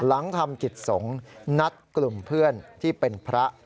หลังทำกิจสงฆ์นัดกลุ่มเพื่อนที่เป็นพระ